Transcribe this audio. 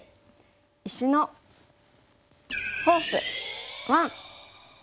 「石のフォース１」。